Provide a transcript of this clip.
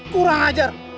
kurang ajar serang